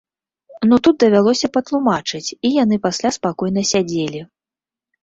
Ну тут давялося патлумачыць, і яны пасля спакойна сядзелі.